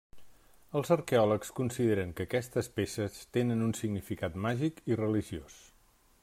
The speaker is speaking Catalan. Els arqueòlegs consideren que aquestes peces tenien un significat màgic i religiós.